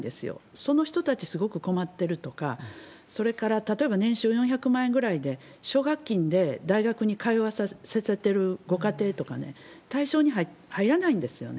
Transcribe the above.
その人たちすごく困ってるとか、それから、例えば年収４００万円ぐらいで、奨学金で大学に通わさせてるご家庭とかね、対象に入らないんですよね。